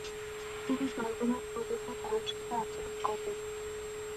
তিনি সর্বদা সৌজন্যে তার সাথে আচরণ করেন।